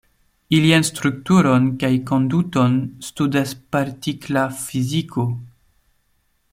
Ilian strukturon kaj konduton studas partikla fiziko.